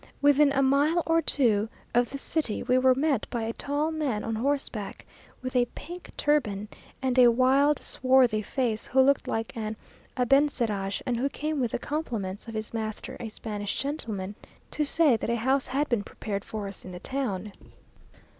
Within a mile or two of the city we were met by a tall man on horseback, with a pink turban, and a wild, swarthy face, who looked like an Abencerrage, and who came with the compliments of his master, a Spanish gentleman, to say that a house had been prepared for us in the town.